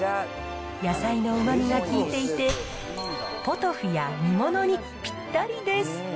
野菜のうまみが効いていて、ポトフや煮物にぴったりです。